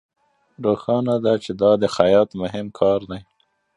روښانه ده چې دا د خیاط مهم کار دی